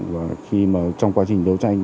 và khi mà trong quá trình đấu tranh